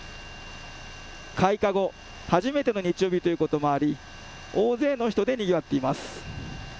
開花後、初めての日曜日ということもあり、大勢の人でにぎわっています。